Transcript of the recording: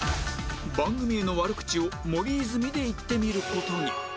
番組への悪口を森泉で言ってみる事に